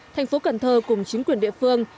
thành phố cần thơ cùng chính quyền địa phương